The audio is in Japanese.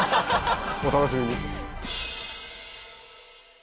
お楽しみに。